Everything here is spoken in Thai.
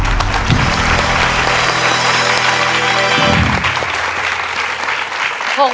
๖หมื่นบาทครับ